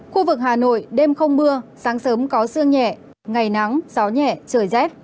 khu vực hà nội đêm không mưa sáng sớm có sương nhẹ ngày nắng gió nhẹ trời rét